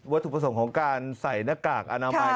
วัตถุประสงค์ของการใส่หน้ากากอนามไหม